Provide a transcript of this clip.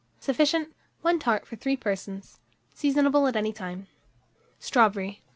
Sufficient. 1 tart for 3 persons. Seasonable at any time. STRAWBERRY.